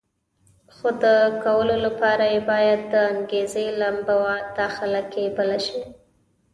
خو د کولو لپاره یې باید د انګېزې لمبه داخله کې بله شي.